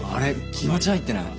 気持ち入ってない？